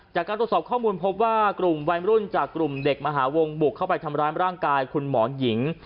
จากการตรวจสอบข้อมูลพบว่ากลุ่มวัยรุ่นจากกลุ่มเด็กมหาวงบุกเข้าไปทำร้ายร่างกายคุณหมอหญิง